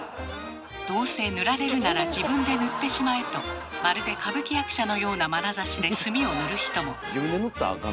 どうせ塗られるなら自分で塗ってしまえとまるで歌舞伎役者のようなまなざしで炭を塗る人も。